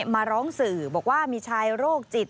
มาร้องสื่อบอกว่ามีชายโรคจิต